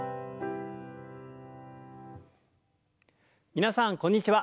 皆さんこんにちは。